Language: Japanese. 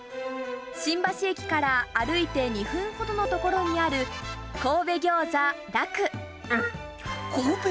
新橋駅から歩いて２分ほどの所にある神戸餃子樂。